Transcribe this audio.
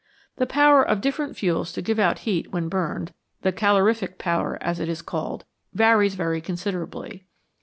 The power of different fuels to give out heat when burned the calorific power, as it is called varies very con siderably.